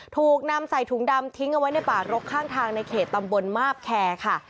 ถูกนำใส่ถุงดำทิ้งเอาไว้ในป่ารกข้างทางในเขตตำบลมาบแคร์ค่ะ